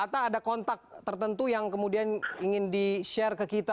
atau ada kontak tertentu yang kemudian ingin di share ke kita